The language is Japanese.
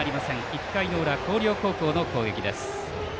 １回の裏、広陵高校の攻撃。